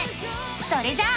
それじゃあ。